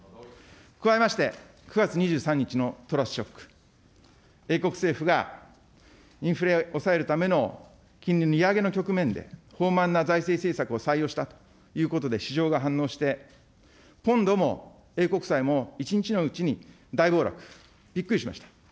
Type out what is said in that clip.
加えまして、９月２３日のトラスショック、英国政府がインフレを抑えるための金利の利上げの局面で、放漫な財政政策を採用したということで市場が反応して、今度も英国債も１日のうちに大暴落、びっくりしました。